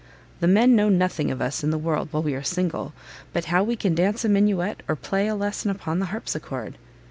The men know nothing of us in the world while we are single, but how we can dance a minuet, or play a lesson upon the harpsichord."